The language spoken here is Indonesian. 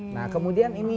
nah kemudian ini